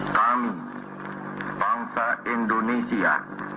kami bangsa indonesia